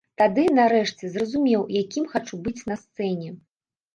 Тады, нарэшце, зразумеў, якім хачу быць на сцэне.